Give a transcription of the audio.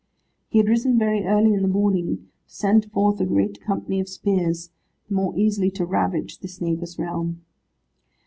He had risen very early in the morning, to send forth a great company of spears, the more easily to ravage this neighbour's realm.